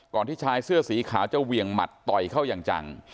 ที่ชายเสื้อสีขาวจะเหวี่ยงหมัดต่อยเข้าอย่างจัง